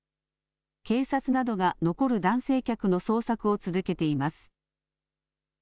警察などが残る男性客の捜索を続けています。